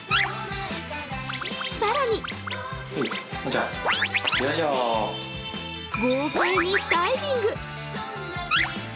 更に豪快にダイビング。